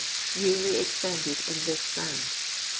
yearly expended in this sand.